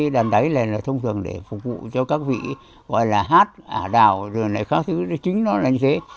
đàn đáy này thông thường để phục vụ cho các vị gọi là hát ả đào các thứ chính đó là như thế